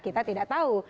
kita tidak tahu